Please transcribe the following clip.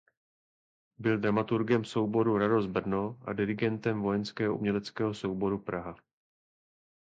Byl dramaturgem souboru "Radost Brno" a dirigentem "Vojenského uměleckého souboru Praha".